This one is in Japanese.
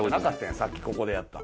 さっきここでやったの。